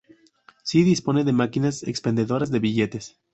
Sí dispone de máquinas expendedoras de billetes.